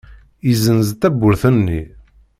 Yessenz tawwurt-nni.